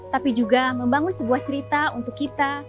tapi juga membangun sebuah cerita untuk kita